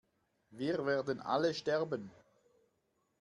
Wir werden alle sterben!